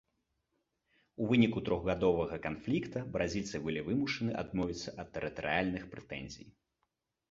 У выніку трохгадовага канфлікта бразільцы былі вымушаны адмовіцца ад тэрытарыяльных прэтэнзій.